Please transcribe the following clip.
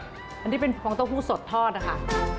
อันนี้เป็นฟองเต้าหู้สดทอดนะคะ